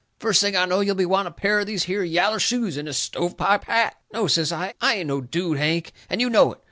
First thing I know you'll be wanting a pair of these here yaller shoes and a stove pipe hat." "No," says I, "I ain't no dude, Hank, and you know it.